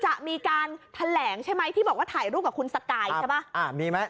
จะมีการแถลงใช่ไหมที่บอกว่าถ่ายรูปกับคุณสกายใช่ป่ะมีไหม